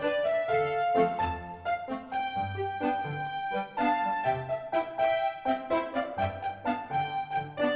kalau writers tak redup karirnya gimana